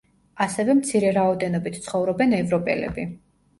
ასევე მცირე რაოდენობით ცხოვრობენ ევროპელები.